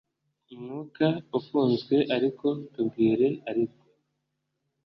umwuka ufunzwe ariko tubwire ariko